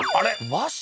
和紙？